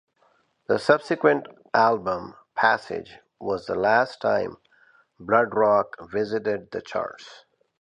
The subsequent album, "Passage" was the last time Bloodrock visited the charts.